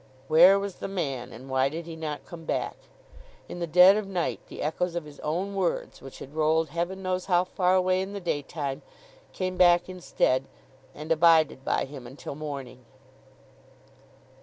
Where was the man, and why did he not come back? In the dead of night the echoes of his own words, which had rolled Heaven knows how far away in the daytime, came back instead, and abided by him until morning.